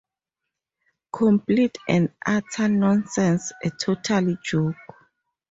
Complete and utter nonsense, a total joke.